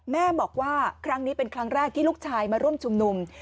แม่บอกว่าครั้งนี้เป็นครั้งแรกที่ลูกชายมาร่วมชุมนุม